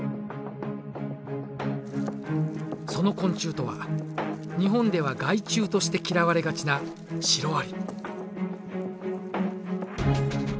その昆虫とは日本では害虫として嫌われがちなシロアリ。